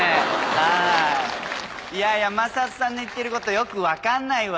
はいいや山里さんの言ってることよく分かんないわ。